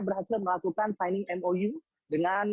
berhasil melakukan signing mou dengan